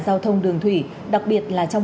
giao thông đường thủy đặc biệt là trong